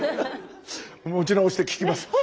持ち直して聞きます。